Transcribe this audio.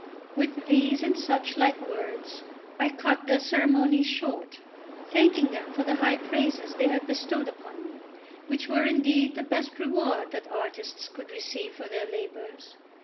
With these and such like words I cut their ceremonies short, thanking them for the high praises they had bestowed upon me, which were indeed the best reward that artists could receive for their labours.